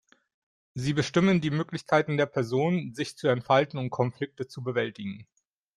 Sie bestimmen die Möglichkeiten der Person, sich zu entfalten und Konflikte zu bewältigen.